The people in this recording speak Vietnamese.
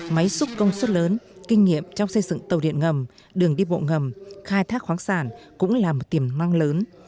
máy xúc công suất lớn kinh nghiệm trong xây dựng tàu điện ngầm đường đi bộ ngầm khai thác khoáng sản cũng là một tiềm năng lớn